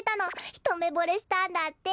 ひとめぼれしたんだって。